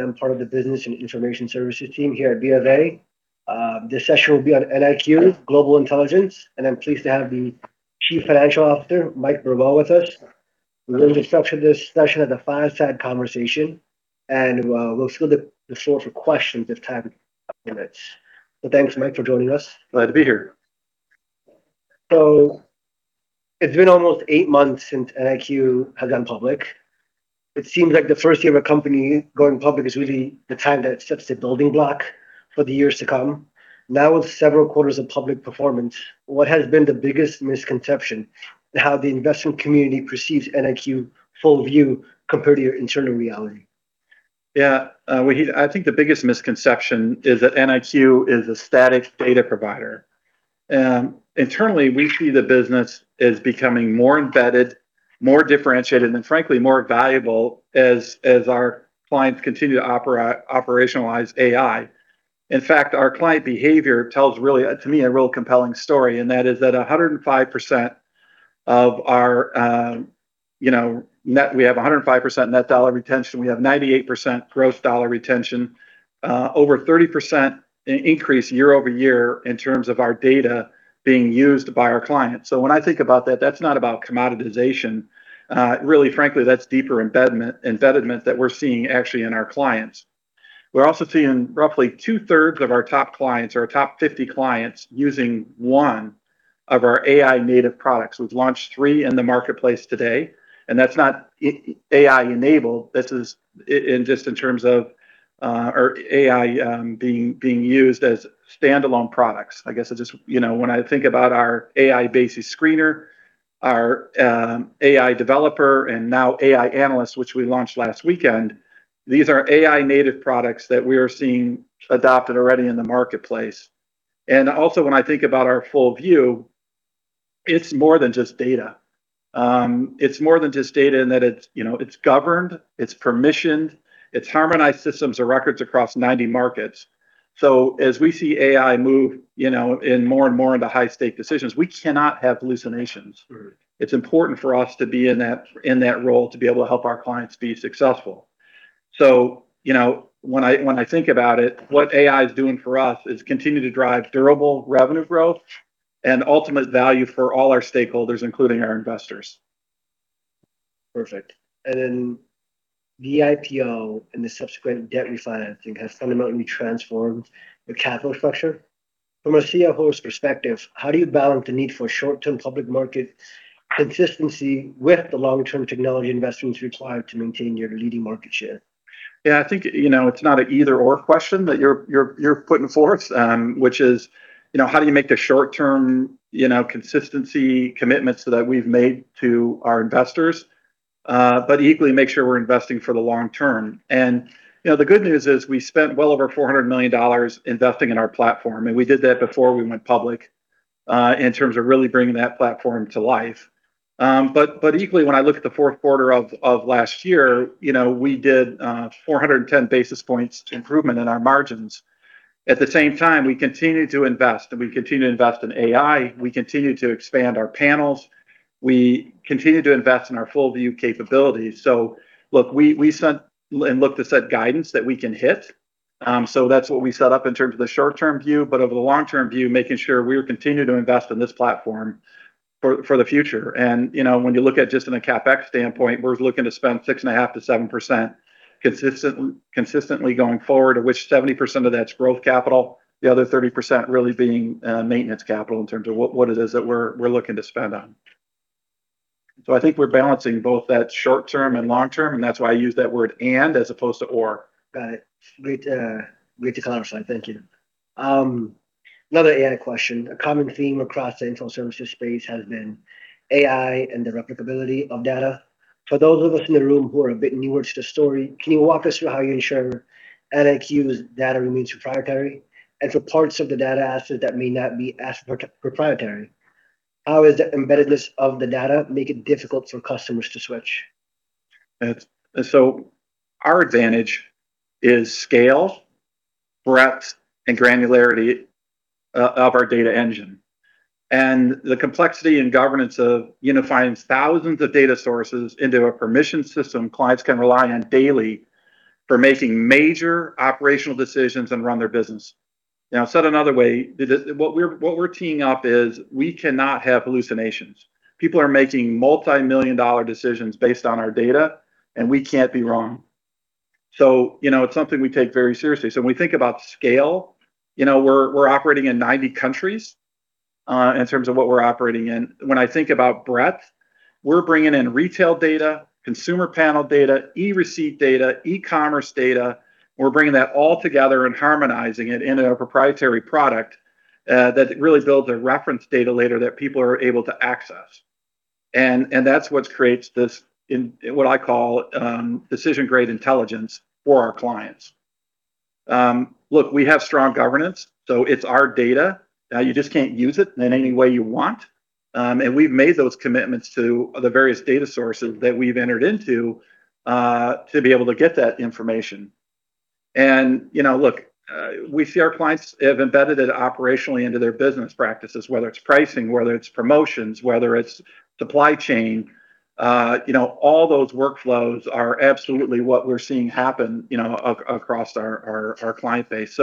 I'm part of the Business and Information Services team here at BofA. This session will be on NIQ Global Intelligence, and I'm pleased to have the Chief Financial Officer, Mike Burwell, with us. We're going to structure this session as a fireside conversation, and we'll open the floor for questions if time permits. Thanks, Mike, for joining us. Glad to be here. It's been almost eight months since NIQ has gone public. It seems like the first year of a company going public is really the time that it sets the building block for the years to come. Now, with several quarters of public performance, what has been the biggest misconception to how the investment community perceives NIQ Full View compared to your internal reality? Yeah. I think the biggest misconception is that NIQ is a static data provider. Internally, we see the business as becoming more embedded, more differentiated, and frankly more valuable as our clients continue to operationalize AI. In fact, our client behavior tells really, to me, a real compelling story, and that is that 105% net dollar retention. We have 105% net dollar retention. We have 98% gross dollar retention. Over 30% increase year-over-year in terms of our data being used by our clients. When I think about that's not about commoditization. Really, frankly, that's deeper embedment that we're seeing actually in our clients. We're also seeing roughly two-thirds of our top clients or our top 50 clients using one of our AI-native products. We've launched three in the marketplace to date, and that's not AI-enabled. This is just in terms of AI being used as standalone products. I guess it just, you know, when I think about our AI BASES Screener, our AI Product Developer, and now AI Analyst, which we launched last weekend, these are AI-native products that we are seeing adopted already in the marketplace. When I think about our Full View, it's more than just data in that it's, you know, it's governed, it's permissioned, it's harmonized system of record across 90 markets. As we see AI move, you know, in more and more into high-stakes decisions, we cannot have hallucinations. Sure. It's important for us to be in that role to be able to help our clients be successful. You know, when I think about it, what AI is doing for us is continue to drive durable revenue growth and ultimate value for all our stakeholders, including our investors. Perfect. The IPO and the subsequent debt refinancing has fundamentally transformed the capital structure. From a CFO's perspective, how do you balance the need for short-term public market consistency with the long-term technology investments required to maintain your leading market share? Yeah, I think, you know, it's not an either/or question that you're putting forth, which is, you know, how do you make the short-term, you know, consistency commitments that we've made to our investors, but equally make sure we're investing for the long term? You know, the good news is we spent well over $400 million investing in our platform, and we did that before we went public, in terms of really bringing that platform to life. But equally, when I look at the fourth quarter of last year, you know, we did 410 basis points improvement in our margins. At the same time, we continue to invest, and we continue to invest in AI. We continue to expand our panels. We continue to invest in our Full View capabilities. Look, we set and look to set guidance that we can hit, so that's what we set up in terms of the short-term view. Over the long-term view, making sure we continue to invest in this platform for the future. You know, when you look at just in a CapEx standpoint, we're looking to spend 6.5%-7% consistently going forward, of which 70% of that's growth capital, the other 30% really being maintenance capital in terms of what it is that we're looking to spend on. I think we're balancing both that short-term and long-term, and that's why I use that word and as opposed to or. Got it. Great, great to clarify. Thank you. Another AI question. A common theme across the intel services space has been AI and the replicability of data. For those of us in the room who are a bit newer to the story, can you walk us through how you ensure NIQ's data remains proprietary? For parts of the data assets that may not be as proprietary, how does the embeddedness of the data make it difficult for customers to switch? Our advantage is scale, breadth, and granularity of our data engine, and the complexity and governance of unifying thousands of data sources into a permission system clients can rely on daily for making major operational decisions and run their business. Now, said another way, what we're teeing up is we cannot have hallucinations. People are making multimillion-dollar decisions based on our data, and we can't be wrong. You know, it's something we take very seriously. When we think about scale, you know, we're operating in 90 countries in terms of what we're operating in. When I think about breadth, we're bringing in retail data, consumer panel data, e-receipt data, e-commerce data. We're bringing that all together and harmonizing it in a proprietary product that really builds a reference data layer that people are able to access. That's what creates this, what I call, decision-grade intelligence for our clients. Look, we have strong governance, so it's our data. You just can't use it in any way you want. We've made those commitments to the various data sources that we've entered into to be able to get that information. You know, look, we see our clients have embedded it operationally into their business practices, whether it's pricing, whether it's promotions, whether it's supply chain. You know, all those workflows are absolutely what we're seeing happen, you know, across our client base.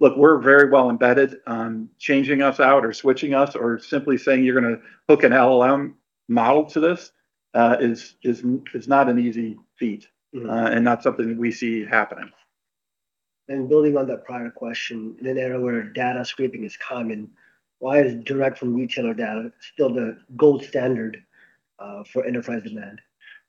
Look, we're very well embedded on changing us out or switching us or simply saying you're gonna hook an LLM model to this is not an easy feat and not something that we see happening. Building on that prior question, in an era where data scraping is common, why is direct from retailer data still the gold standard for enterprise demand?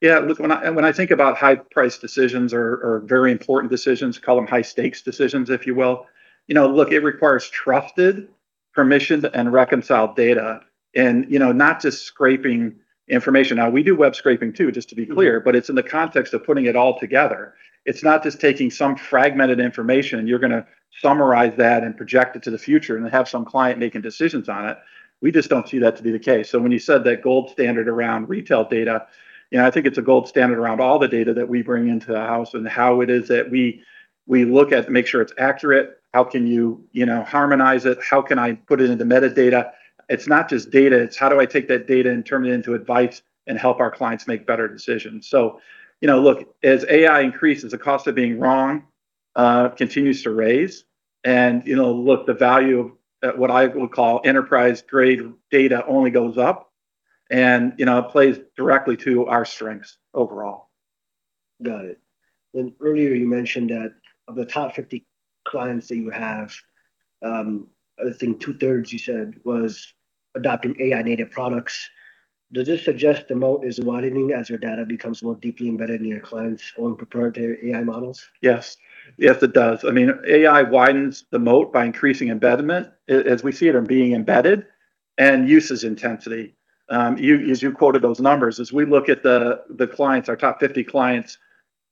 Yeah. Look, when I think about high price decisions or very important decisions, call them high stakes decisions, if you will, you know, look, it requires trusted permissions and reconciled data and, you know, not just scraping information. Now we do web scraping too, just to be clear, but it's in the context of putting it all together. It's not just taking some fragmented information, and you're gonna summarize that and project it to the future and have some client making decisions on it. We just don't see that to be the case. When you said that gold standard around retail data, you know, I think it's a gold standard around all the data that we bring into the house and how it is that we look at to make sure it's accurate. How can you know, harmonize it? How can I put it into metadata? It's not just data. It's how do I take that data and turn it into advice and help our clients make better decisions. You know, look, as AI increases, the cost of being wrong continues to rise. You know, look, the value of what I would call enterprise-grade data only goes up, and, you know, it plays directly to our strengths overall. Got it. Earlier you mentioned that of the top 50 clients that you have, I think two-thirds you said was adopting AI-native products. Does this suggest the moat is widening as your data becomes more deeply embedded in your clients' own proprietary AI models? Yes. Yes, it does. I mean, AI widens the moat by increasing embedment as we see it in being embedded and uses intensity. You, as you quoted those numbers, as we look at the clients, our top 50 clients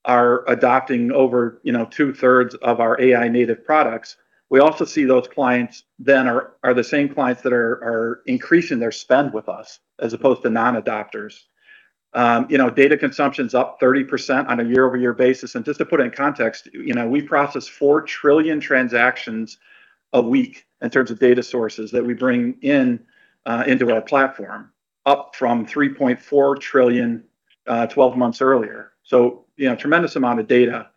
are adopting over, you know, 2/3 Of our AI-native products. We also see those clients then are the same clients that are increasing their spend with us as opposed to non-adopters. You know, data consumption's up 30% on a year-over-year basis. Just to put it in context, you know, we process 4 trillion transactions a week in terms of data sources that we bring in into our platform, up from 3.4 trillion 12 months earlier. You know, tremendous amount of data.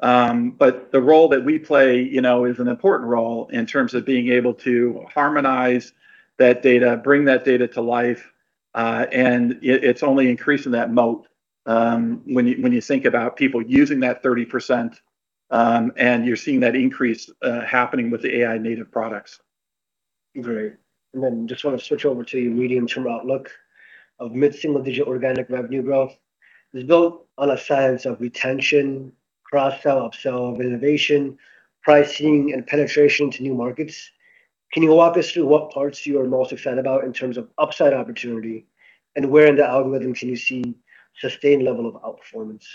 The role that we play, you know, is an important role in terms of being able to harmonize that data, bring that data to life. It's only increasing that moat when you think about people using that 30%, and you're seeing that increase happening with the AI-native products. Great. Just wanna switch over to your medium-term outlook of mid-single digit organic revenue growth. It's built on a science of retention, cross-sell, upsell, renovation, pricing, and penetration to new markets. Can you walk us through what parts you are most excited about in terms of upside opportunity, and where in the algorithm can you see sustained level of outperformance?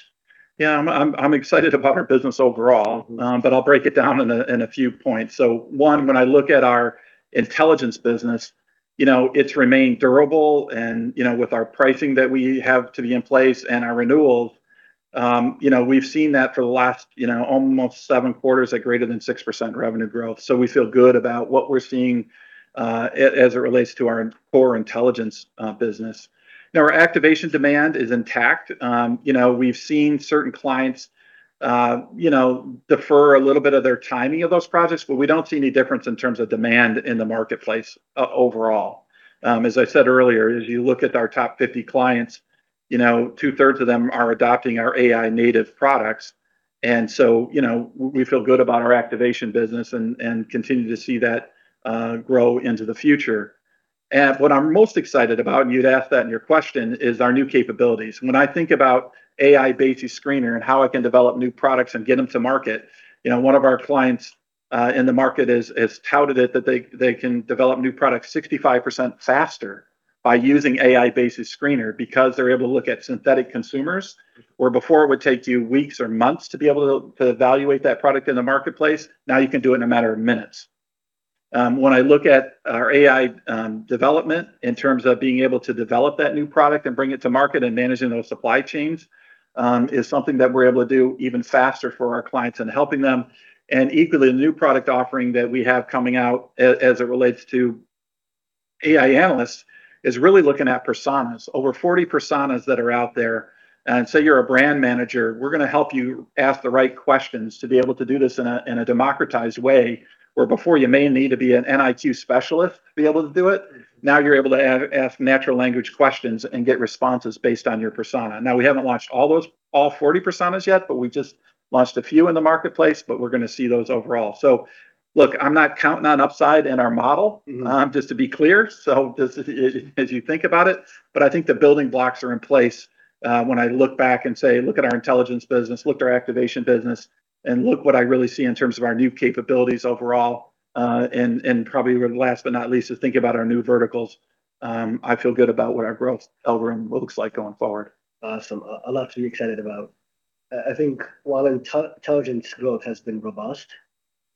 Yeah. I'm excited about our business overall, but I'll break it down in a few points. One, when I look at our intelligence business, you know, it's remained durable and, you know, with our pricing that we have in place and our renewals, you know, we've seen that for the last, you know, almost seven quarters at greater than 6% revenue growth. We feel good about what we're seeing, as it relates to our core intelligence business. Now, our activation demand is intact. You know, we've seen certain clients, you know, defer a little bit of their timing of those projects, but we don't see any difference in terms of demand in the marketplace overall. As I said earlier, as you look at our top 50 clients, you know, two-thirds of them are adopting our AI-native products. You know, we feel good about our activation business and continue to see that grow into the future. What I'm most excited about, and you'd asked that in your question, is our new capabilities. When I think about AI BASES Screener and how I can develop new products and get them to market, you know, one of our clients in the market has touted it that they can develop new products 65% faster by using AI BASES Screener because they're able to look at synthetic consumers. Where before it would take you weeks or months to evaluate that product in the marketplace, now you can do it in a matter of minutes. When I look at our AI development in terms of being able to develop that new product and bring it to market and managing those supply chains, is something that we're able to do even faster for our clients and helping them. Equally, the new product offering that we have coming out as it relates to AI Analyst is really looking at personas, over 40 personas that are out there. Say you're a brand manager, we're gonna help you ask the right questions to be able to do this in a democratized way, where before you may need to be an NIQ specialist to be able to do it. Now you're able to ask natural language questions and get responses based on your persona. Now, we haven't launched all those, all 40 personas yet, but we just launched a few in the marketplace, but we're gonna see those overall. Look, I'm not counting on upside in our model. Mm-hmm. Just to be clear, this as you think about it, but I think the building blocks are in place. When I look back and say, "Look at our intelligence business, look at our activation business, and look what I really see in terms of our new capabilities overall," and probably last but not least, is think about our new verticals. I feel good about what our growth algorithm looks like going forward. Awesome. A lot to be excited about. I think while intelligence growth has been robust,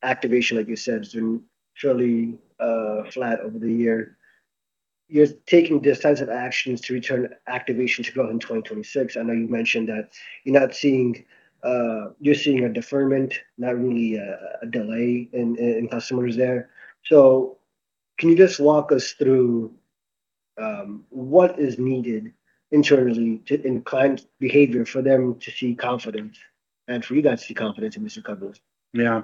activation, like you said, has been fairly flat over the year. You're taking decisive actions to return activation to growth in 2026. I know you mentioned that you're not seeing, you're seeing a deferment, not really a delay in customers there. Can you just walk us through what is needed in terms of client behavior for them to see confidence and for you guys to see confidence in this recovery? Yeah.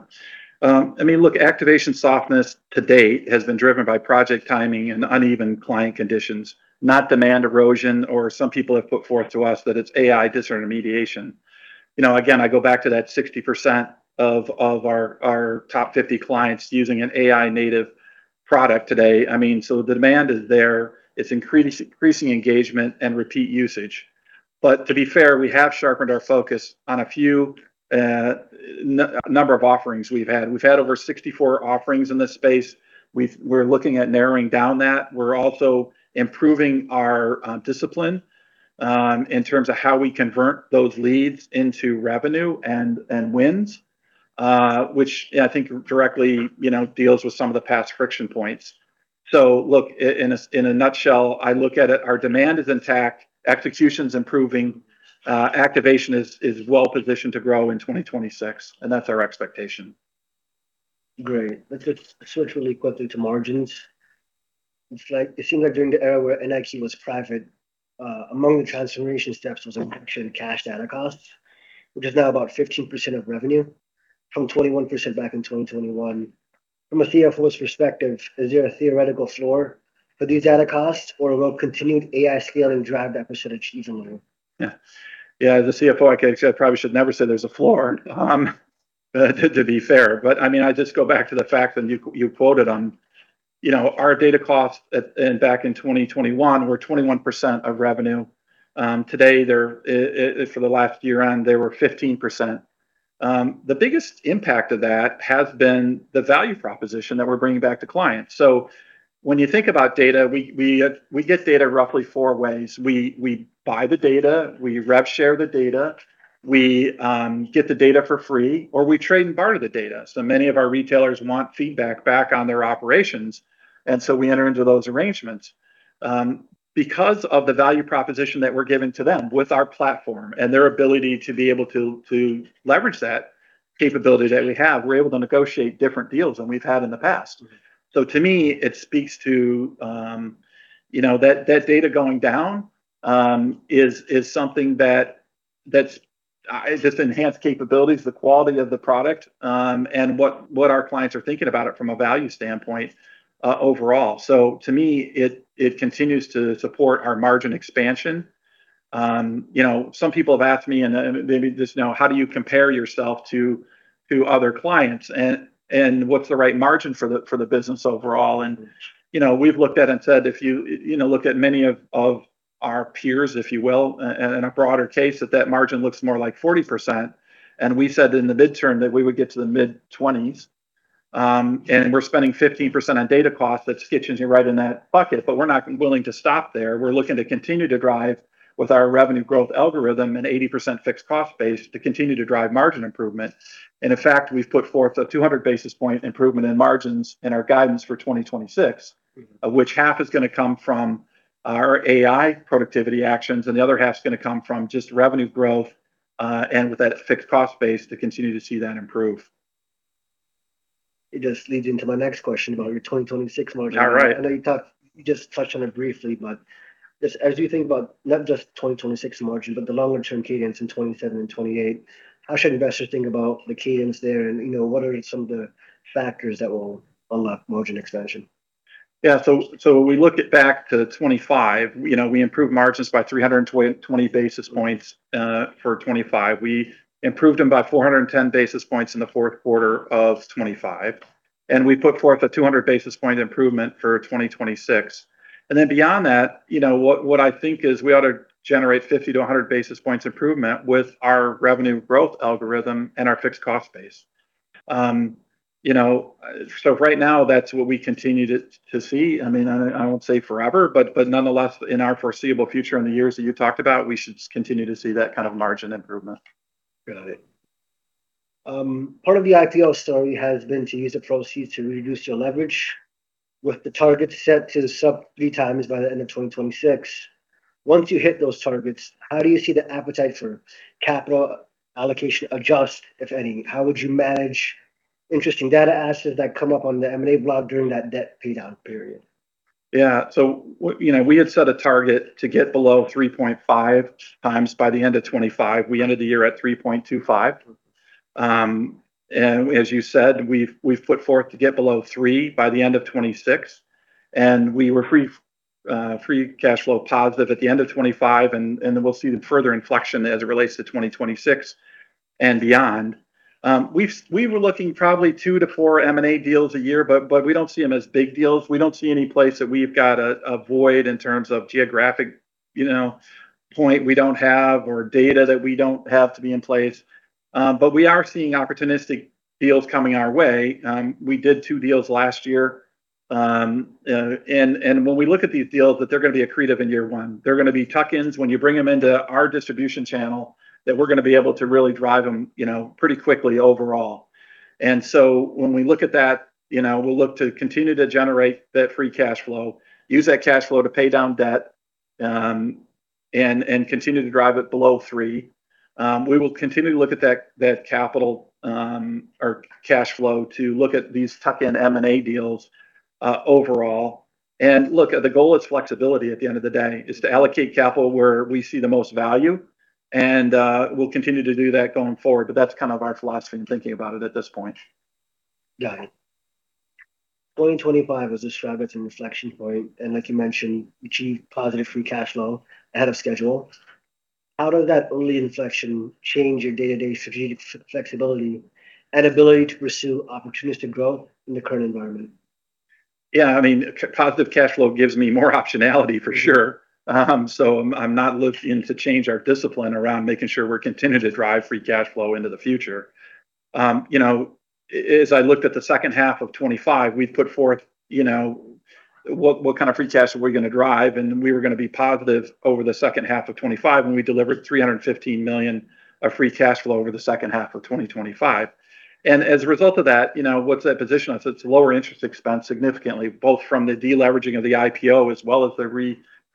I mean, look, activation softness to date has been driven by project timing and uneven client conditions, not demand erosion, or some people have put forth to us that it's AI disintermediation. You know, again, I go back to that 60% of our top 50 clients using an AI-native product today. I mean, the demand is there. It's increasing engagement and repeat usage. To be fair, we have sharpened our focus on a fewer number of offerings we've had. We've had over 64 offerings in this space. We're looking at narrowing down that. We're also improving our discipline in terms of how we convert those leads into revenue and wins, which I think directly, you know, deals with some of the past friction points. Look, in a nutshell, I look at it, our demand is intact, execution's improving, activation is well positioned to grow in 2026, and that's our expectation. Great. Let's switch really quickly to margins. It seemed like during the era where NIQ was private, among the transformation steps was a reduction in cash data costs, which is now about 15% of revenue from 21% back in 2021. From a CFO's perspective, is there a theoretical floor for these data costs, or will continued AI scaling drive that percentage even lower? Yeah. Yeah, as a CFO, I can't say I probably should never say there's a floor, to be fair. I mean, I just go back to the fact that you quoted on, you know, our data costs at, back in 2021 were 21% of revenue. Today, they're, for the last year-end, they were 15%. The biggest impact of that has been the value proposition that we're bringing back to clients. When you think about data, we get data roughly four ways. We buy the data, we rev share the data, we get the data for free, or we trade and barter the data. Many of our retailers want feedback back on their operations, and we enter into those arrangements. Because of the value proposition that we're giving to them with our platform and their ability to be able to leverage that capability that we have, we're able to negotiate different deals than we've had in the past. To me, it speaks to, you know, that data going down is something that's just enhanced capabilities, the quality of the product, and what our clients are thinking about it from a value standpoint, overall. To me, it continues to support our margin expansion. You know, some people have asked me and maybe just now, "How do you compare yourself to other clients? What's the right margin for the business overall? You know, we've looked at and said, if you look at many of our peers, if you will, in a broader case, that margin looks more like 40%. We said in the midterm that we would get to the mid-20%s, and we're spending 15% on data costs. That stitches you right in that bucket. We're not willing to stop there. We're looking to continue to drive with our revenue growth algorithm and 80% fixed cost base to continue to drive margin improvement. In fact, we've put forth a 200 basis point improvement in margins in our guidance for 2026, of which half is gonna come from our AI productivity actions, and the other half is gonna come from just revenue growth, and with that fixed cost base to continue to see that improve. It just leads into my next question about your 2026 margin. All right. I know you talked, you just touched on it briefly, but just as you think about not just 2026 margin, but the longer-term cadence in 2027 and 2028, how should investors think about the cadence there? You know, what are some of the factors that will unlock margin expansion? We look back to 2025, you know, we improved margins by 320 basis points for 2025. We improved them by 410 basis points in the fourth quarter of 2025, and we put forth a 200 basis point improvement for 2026. Then beyond that, you know, what I think is we ought to generate 50 to 100 basis points improvement with our revenue growth algorithm and our fixed cost base. Right now, that's what we continue to see. I mean, I won't say forever, but nonetheless, in our foreseeable future, in the years that you talked about, we should continue to see that kind of margin improvement. Got it. Part of the IPO story has been to use the proceeds to reduce your leverage with the target set to the sub 3x by the end of 2026. Once you hit those targets, how do you see the appetite for capital allocation adjust, if any? How would you manage interesting data assets that come up on the M&A block during that debt paydown period? Yeah. You know, we had set a target to get below 3.5x by the end of 2025. We ended the year at 3.25x. As you said, we've put forth to get below 3 by the end of 2026, and we were free cash flow positive at the end of 2025, then we'll see the further inflection as it relates to 2026 and beyond. We were looking probably 2-4 M&A deals a year, but we don't see them as big deals. We don't see any place that we've got a void in terms of geographic, you know, point we don't have or data that we don't have to be in place. But we are seeing opportunistic deals coming our way. We did two deals last year. When we look at these deals, that they're gonna be accretive in year one. They're gonna be tuck-ins when you bring them into our distribution channel, that we're gonna be able to really drive them, you know, pretty quickly overall. When we look at that, you know, we'll look to continue to generate that free cash flow, use that cash flow to pay down debt, and continue to drive it below three. We will continue to look at that capital or cash flow to look at these tuck-in M&A deals overall. Look, the goal is flexibility at the end of the day, is to allocate capital where we see the most value and we'll continue to do that going forward. That's kind of our philosophy in thinking about it at this point. Got it. 2025 was described as a inflection point and like you mentioned, achieved positive free cash flow ahead of schedule. How does that early inflection change your day-to-day strategic flexibility and ability to pursue opportunistic growth in the current environment? Yeah, I mean, positive cash flow gives me more optionality for sure. So I'm not looking to change our discipline around making sure we're continuing to drive free cash flow into the future. You know, as I looked at the second half of 2025, we'd put forth, you know, what kind of free cash flow we're going to drive, and we were going to be positive over the second half of 2025 when we delivered $315 million of free cash flow over the second half of 2025. As a result of that, you know, what's that position? So it's lower interest expense significantly, both from the de-leveraging of the IPO as well as the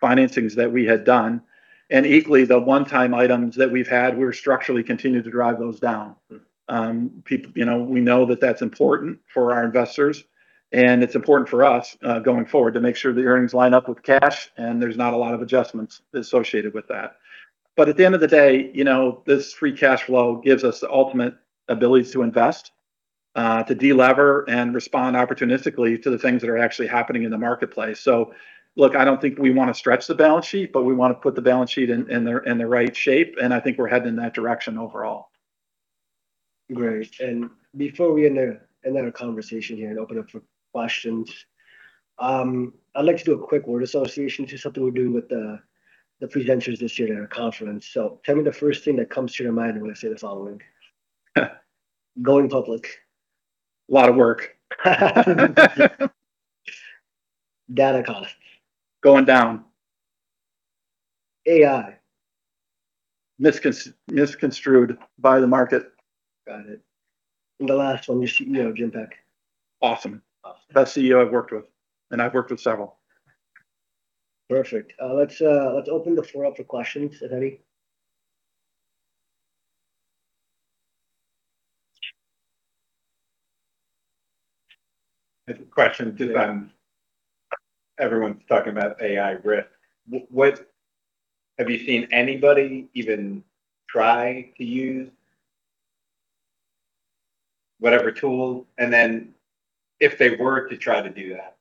re-financings that we had done. Equally, the one-time items that we've had, we're structurally continuing to drive those down. You know, we know that that's important for our investors, and it's important for us going forward to make sure the earnings line up with cash and there's not a lot of adjustments associated with that. But at the end of the day, you know, this free cash flow gives us the ultimate ability to invest, to de-lever and respond opportunistically to the things that are actually happening in the marketplace. Look, I don't think we want to stretch the balance sheet, but we want to put the balance sheet in the right shape, and I think we're heading in that direction overall. Great. Before we end our conversation here and open up for questions, I'd like to do a quick word association. This is something we're doing with the presenters this year at our conference. Tell me the first thing that comes to your mind when I say the following. Going public. A lot of work. Data costs. Going down. AI. Misconstrued by the market. Got it. The last one, your CEO, Jim Peck. Awesome. Awesome. Best CEO I've worked with, and I've worked with several. Perfect. Let's open the floor up for questions, if any. Since everyone's talking about AI risk. What have you seen anybody even try to use whatever tool? If they were to try to do that,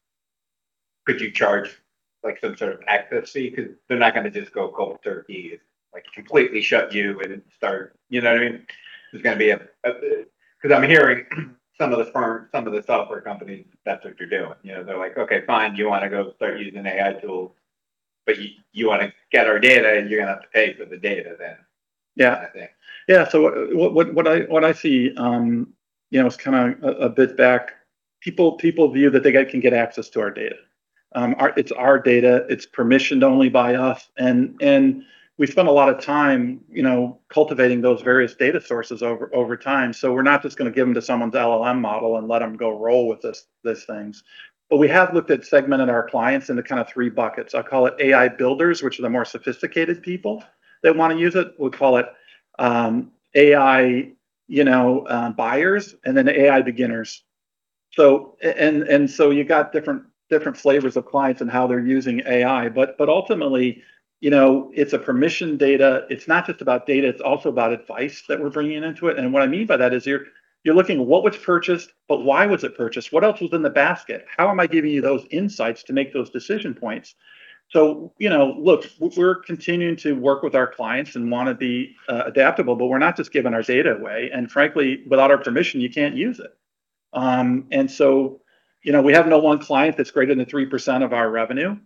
could you charge like some sort of access fee? Because they're not going to just go cold turkey, like completely shut you and then start. You know what I mean? There's gonna be. Because I'm hearing some of the firms, some of the software companies, that's what they're doing. You know, they're like, "Okay, fine. You want to go start using AI tools, but you want to get our data and you're going to have to pay for the data then. Yeah. I think. Yeah. What I see, you know, is kind of a pushback. People view that they can get access to our data. It's our data, it's permissioned only by us, and we spend a lot of time, you know, cultivating those various data sources over time. We're not just going to give them to someone's LLM model and let them go roll with those things. We have looked at segmenting our clients into kind of three buckets. I call it AI builders, which are the more sophisticated people that want to use it. We call it AI buyers, and then AI beginners. You got different flavors of clients and how they're using AI. Ultimately, you know, it's permissioned data. It's not just about data, it's also about advice that we're bringing into it. What I mean by that is you're looking at what was purchased, but why was it purchased? What else was in the basket? How am I giving you those insights to make those decision points? You know, look, we're continuing to work with our clients and want to be adaptable, but we're not just giving our data away. Frankly, without our permission, you can't use it. You know, we have no one client that's greater than 3% of our revenue.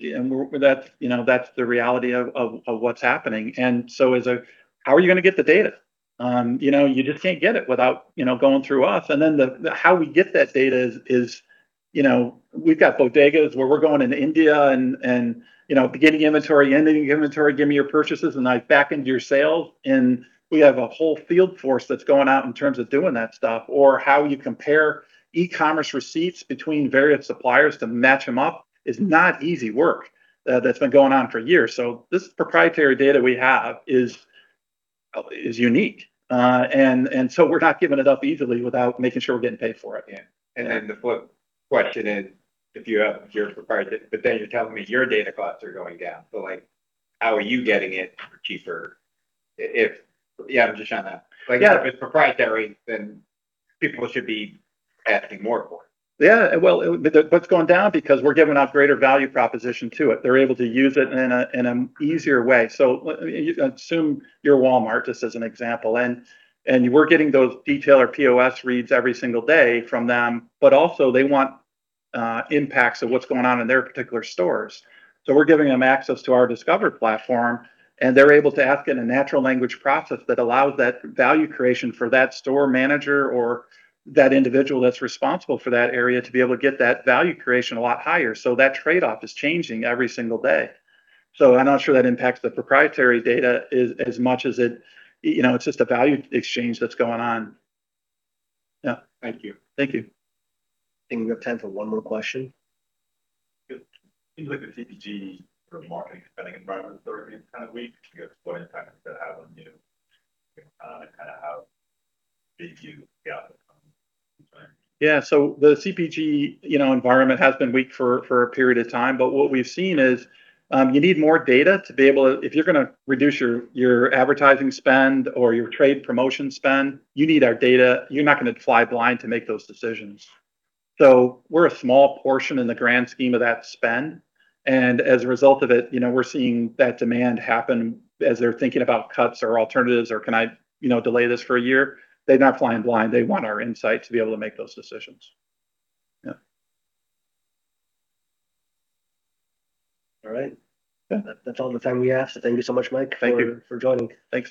You know, that's the reality of what's happening. How are you going to get the data? You know, you just can't get it without going through us. The how we get that data is, you know, we've got bodegas where we're going into India and, you know, beginning inventory, ending inventory, give me your purchases, and I back into your sales. We have a whole field force that's going out in terms of doing that stuff. How you compare e-commerce receipts between various suppliers to match them up is not easy work. That's been going on for years. This proprietary data we have is unique. We're not giving it up easily without making sure we're getting paid for it. Yeah. The flip question is, if you have your proprietary, but then you're telling me your data costs are going down. Like, how are you getting it for cheaper if? Yeah Like if it's proprietary, then people should be asking more for it. Yeah. It's going down because we're giving out greater value proposition to it. They're able to use it in an easier way. Assume you're Walmart, just as an example, and we're getting those detail or POS reads every single day from them, but also they want impacts of what's going on in their particular stores. We're giving them access to our Discover platform, and they're able to ask in a natural language processing that allows that value creation for that store manager or that individual that's responsible for that area to be able to get that value creation a lot higher. That trade-off is changing every single day. I'm not sure that impacts the proprietary data as much as it, you know, it's just a value exchange that's going on. Yeah. Thank you. Thank you. I think we have time for one more question. It seems like the CPG marketing spending environment is kind of weak. What impact does that have on you? Kind of how big you gather from. Yeah. The CPG, you know, environment has been weak for a period of time. What we've seen is, you need more data to be able to. If you're gonna reduce your advertising spend or your trade promotion spend, you need our data. You're not gonna fly blind to make those decisions. We're a small portion in the grand scheme of that spend. As a result of it, you know, we're seeing that demand happen as they're thinking about cuts or alternatives or can I, you know, delay this for a year? They're not flying blind. They want our insight to be able to make those decisions. Yeah. All right. Yeah. That's all the time we have. Thank you so much, Mike- Thank you. for joining. Thanks.